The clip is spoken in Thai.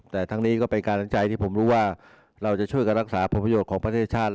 แต่ทั้งนี้ก็เป็นการนักใจที่เรารู้ได้ว่าเราจะช่วยกับรักษาปภโปรโยธของประชาชน